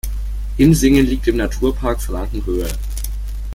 Insingen liegt im Naturpark Frankenhöhe.